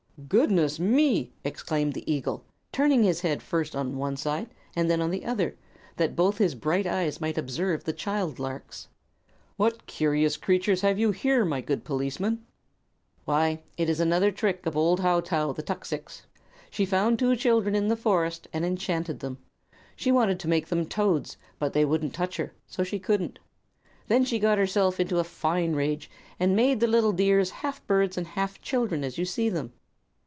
"Goodness me!" exclaimed the eagle, turning his head first on one side and then on the other, that both his bright eyes might observe the child larks; "what curious creatures have you here, my good policeman?" "Why, it is another trick of old Hautau, the tuxix. She found two children in the forest and enchanted them. She wanted to make them toads, but they wouldn't touch her, so she couldn't. Then she got herself into a fine rage and made the little dears half birds and half children, as you see them.